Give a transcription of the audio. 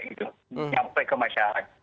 tidak sampai ke masyarakat